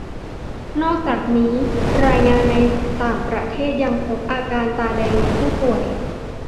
นอกจากนี้รายงานในต่างประเทศยังพบอาการตาแดงในผู้ป่วย